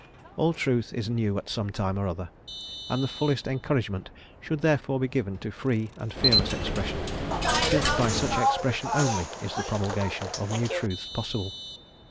All Truth is new at some time or other, and the fullest encouragement should therefore be given to free and fearless expression, since by such expression only is the promulgation of new truths possible.